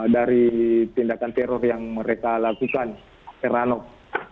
dari tindakan teror yang mereka lakukan heranov